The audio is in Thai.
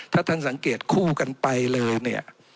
ถ้าท่านสังเกตคู่กันไปเลยเนี่ย